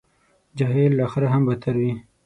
جاهل له خره هم بدتر وي.